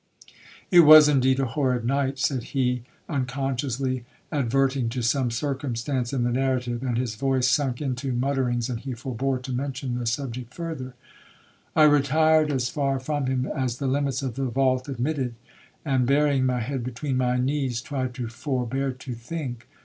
'— 'It was indeed a horrid night,' said he, unconsciously adverting to some circumstance in the narrative; and his voice sunk into mutterings, and he forbore to mention the subject further. I retired as far from him as the limits of the vault admitted; and, burying my head between my knees, tried to forbear to think.